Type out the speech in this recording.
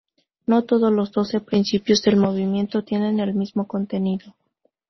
No todos los doce Principios del Movimiento tienen el mismo contenido.